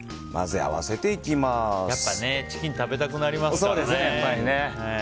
やっぱりチキン食べたくなりますからね。